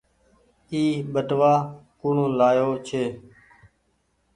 اي ٻٽوآ ڪوڻ لآيو ڇي۔